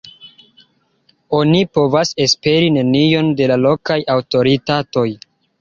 Oni povas esperi nenion de la lokaj aŭtoritatoj.